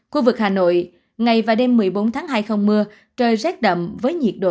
khu vực hà nội ngày và đêm một mươi bốn tháng hai không mưa trời rét đậm với nhiệt độ